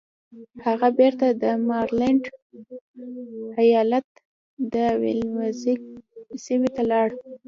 هغه بېرته د ماريلنډ ايالت د ويلمزبرګ سيمې ته لاړ.